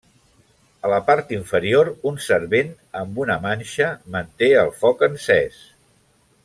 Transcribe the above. A la part inferior, un servent amb una manxa manté el foc encès.